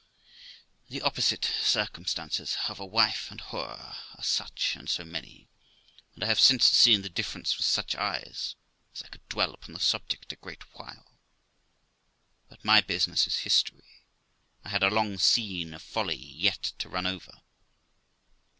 The opposite circumstances of a wife and whore are such and so many, and I have since seen the difference with such eyes, as I could dwell upon the subject a great while; but my business is history. I had a long scene of folly yet to run over.